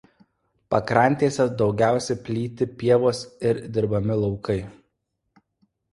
Pakrantėse daugiausia plyti pievos ir dirbami laukai.